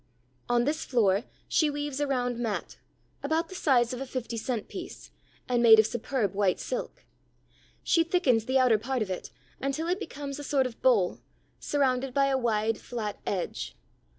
On this floor she weaves a round mat, about the size of a fifty cent piece and made of superb white silk. She thickens the outer part of it, until it becomes a sort of bowl, surrounded by a wide, flat edge.